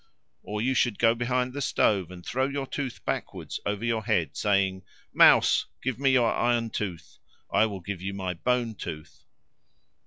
Or you should go behind the stove and throw your tooth backwards over your head, saying "Mouse, give me your iron tooth; I will give you my bone tooth."